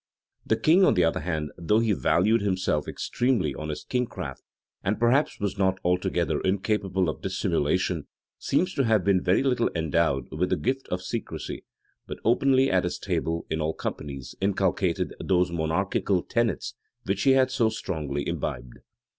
The king, on the other hand, though he valued himself extremely on his kingcraft, and perhaps was not altogether incapable of dissimulation, seems to have been very little endowed with the gift of secrecy; but openly at his table, in all companies, inculcated those monarchical tenets which he had so strongly imbibed.